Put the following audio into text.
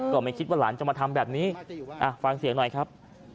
ก็ไม่คิดว่าหลานจะมาทำแบบนี้ฟังเสียงหน่อยครับ